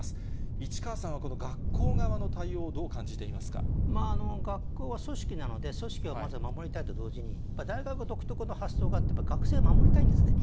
市川さんは、この学校側の対応、学校は組織なので、組織をまず守りたいと同時に、大学独特の発想があって、学生を守りたいんですね。